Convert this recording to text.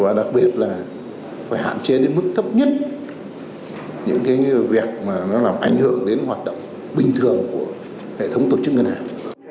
và đặc biệt là phải hạn chế đến mức thấp nhất những cái việc mà nó làm ảnh hưởng đến hoạt động bình thường của hệ thống tổ chức ngân hàng